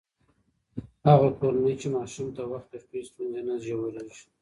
هغه کورنۍ چې ماشوم ته وخت ورکوي، ستونزې نه ژورېږي.